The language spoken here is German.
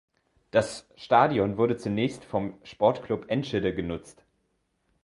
Das Stadion wurde zunächst vom Sportclub Enschede genutzt.